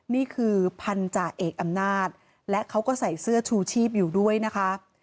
นี่คือพันธาเอกอำนาจและเขาก็ใส่เสื้อชูชีพอยู่ด้วยนะคะ